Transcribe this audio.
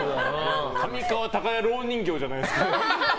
上川隆也蝋人形じゃないですか。